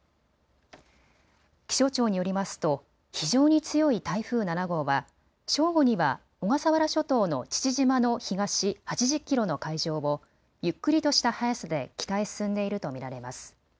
気象庁によりますと非常に強い台風７号は正午には小笠原諸島の父島の東８０キロの海上をゆっくりとした速さで北へ進んでいると見られます。